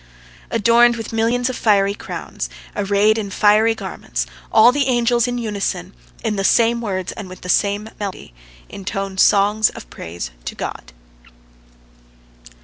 Adorned with millions of fiery crowns, arrayed in fiery garments, all the angels in unison, in the same words, and with the same melody, intone songs of praise to God.